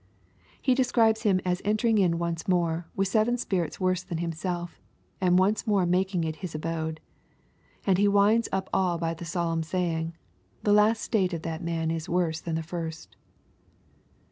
— He describes him as entering in once more, with seven spirits worse than himself, and once more making it his abode. A nd He winds up all by the solemn saying, " the last state of that man is worse than the first."